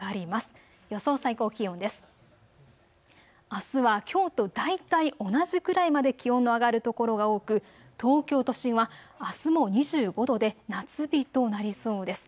あすはきょうと大体同じくらいまで気温の上がるところが多く東京都心はあすも２５度で夏日となりそうです。